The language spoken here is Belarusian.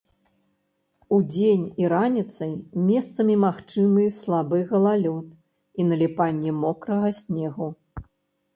Удзень і раніцай месцамі магчымы слабы галалёд і наліпанне мокрага снегу.